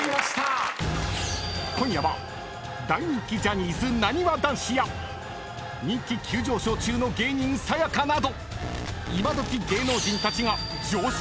［今夜は大人気ジャニーズなにわ男子や人気急上昇中の芸人さや香など今どき芸能人たちが常識力を試されます！］